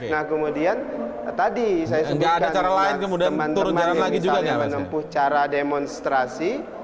nah kemudian tadi saya sebutkan selain teman teman misalnya menempuh cara demonstrasi